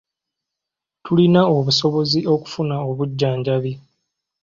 Tulina obusobozi okufuna obujjanjabi.